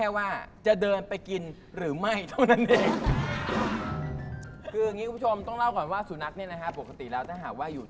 อยากให้เจ้ามาดู